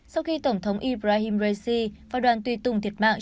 sau khi tổng thống ibrahim raisi và đoàn tùy tùng thiệt mạng